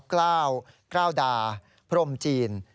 กล้าวกล้าวดาพรมจีน